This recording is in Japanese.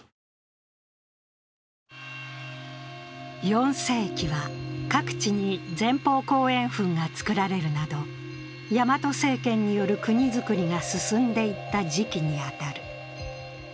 ４世紀は各地に前方後円墳が造られるなどヤマト政権による国づくりが進んでいった時期に当たる。